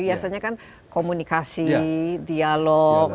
biasanya kan komunikasi dialog